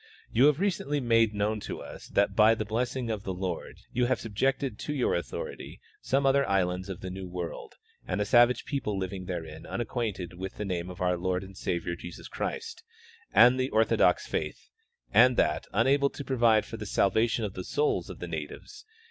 You have recently made known to us that by the blessing of the Lord you have subjected to your authority some other islands of the new world and a savage people living therein unacquainted with the name of our Lord and Savior Jesus Christ and the orthodox faith, and that, unal>le to provide for the salvation of tlie souls of the natives :il— Nat. Grog. Mag , vol.. V, 1S03. 234 W. E. Curtis — Pre Columbian, Vatican Docum.ents.